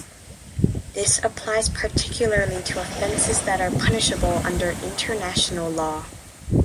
This applies particularly to offenses that are punishable under international law.